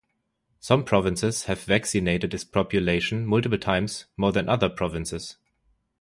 Some provinces have vaccinated its population multiple times more than other provinces.